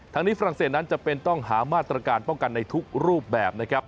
ทางนี้ฝรั่งเศสนั้นจำเป็นต้องหามาตรการป้องกันในทุกรูปแบบนะครับ